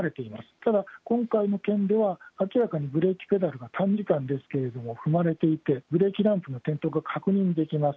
ただ、今回の件では、明らかにブレーキペダルが短時間ですけど踏まれていて、ブレーキランプの点灯が確認できます。